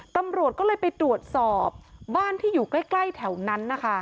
ตำรวจก็เลยไปตรวจสอบบ้านที่อยู่ใกล้แถวนั้นนะคะ